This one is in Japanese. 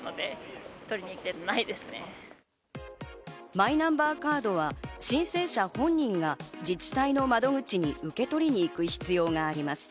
マイナンバーカードは申請者本人が自治体の窓口に受け取りに行く必要があります。